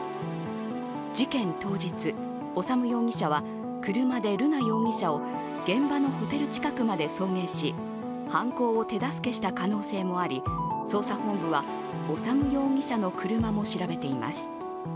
事件当日、修容疑者は車で瑠奈容疑者を現場のホテル近くまで送迎し犯行を手助けした可能性もあり捜査本部は、修容疑者の車も調べています。